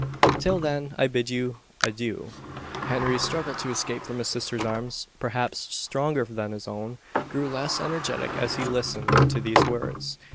Till then, I bid you adieu." Henry's struggle to escape from his sister's arms perhaps stronger than his own grew less energetic as he listened to these words.